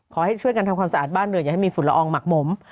ขอให้ช่วยกันทำความสะอาดบ้านหน่อยอย่าให้มีฝุ่นละอองหมักหมม